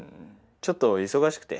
ちょっと忙しくて。